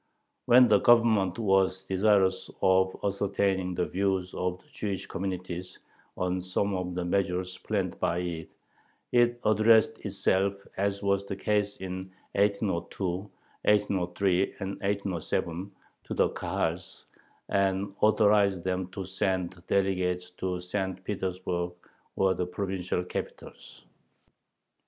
When the Government was desirous of ascertaining the views of the Jewish communities on some of the measures planned by it, it addressed itself, as was the case in 1802, 1803, and 1807, to the Kahals, and authorized them to send delegates to St. Petersburg or the provincial capitals.